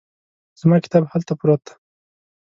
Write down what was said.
زما کتاب هلته پروت ده